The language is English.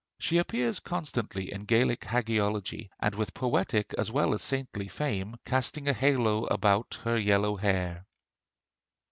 She appears constantly in Gaelic hagiology, and with poetic as well as saintly fame casting a halo about her yellow hair.